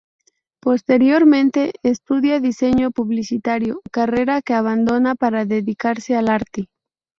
Posteriormente estudia diseño publicitario, carrera que abandona para dedicarse al arte.